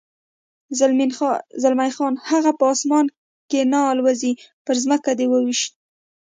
زلمی خان: هغه په اسمان کې نه الوزېد، پر ځمکه دې و وېشت.